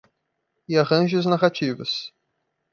E arranjos narrativos